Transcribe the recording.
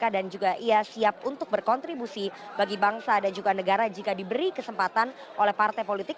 dan juga ia siap untuk berkontribusi bagi bangsa dan juga negara jika diberi kesempatan oleh partai politik